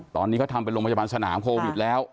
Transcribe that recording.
ตอนนี้เขาทำเป็นโรงพยาบาลสนามโควิดแล้ว